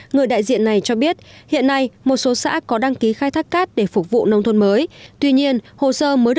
người đại diện này cho biết hiện nay một số xã có đăng ký khai thác cát để phục vụ nông thôn mới